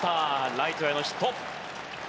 ライトへのヒット。